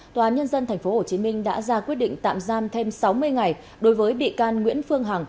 tòa án nhân dân tp hcm đã ra quyết định tạm giam thêm sáu mươi ngày đối với bị can nguyễn phương hằng